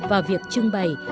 và việc trưng bày